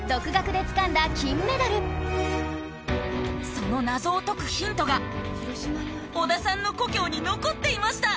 その謎を解くヒントが織田さんの故郷に残っていました。